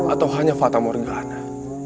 atau hanya fatah morgana